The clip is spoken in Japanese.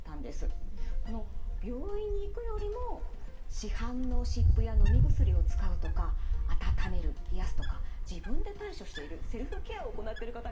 この「病院に行く」よりも「市販の湿布・のみ薬を使う」とか「温める・冷やす」とか自分で対処しているセルフケアを行っている方が多かったんです。